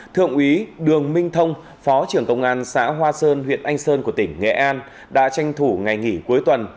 thượng úy đường minh thông phó trưởng công an xã hoa sơn huyện anh sơn của tỉnh nghệ an đã tranh thủ ngày nghỉ cuối tuần